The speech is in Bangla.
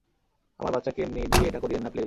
আমার বাচ্চাকে দিয়ে এটা করিয়েন না, প্লিজ।